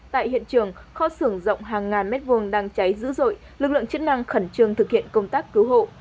tại hiện trường kho xưởng rộng hàng ngàn mét vuông đang cháy dữ dội lực lượng chức năng khẩn trương thực hiện công tác cứu hộ